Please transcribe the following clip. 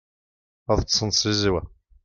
ad ṭṭsen d tzizwa